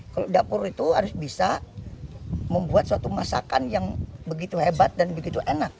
kalau dapur itu harus bisa membuat suatu masakan yang begitu hebat dan begitu enak